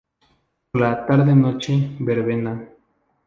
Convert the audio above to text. Por la tarde-noche verbena.